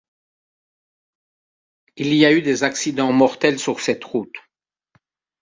Il y a eu des accidents mortels sur cette route.